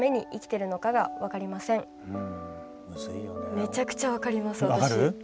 めちゃくちゃ分かります、私。